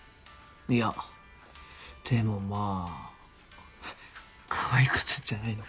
いやでもまあかわい子ちゃんじゃないの？